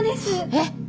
えっ！